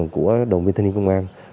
của đồng viên thanh niên công an